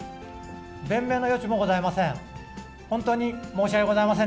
弁明の余地もございません。